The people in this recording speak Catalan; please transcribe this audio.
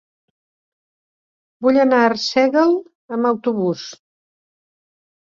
Vull anar a Arsèguel amb autobús.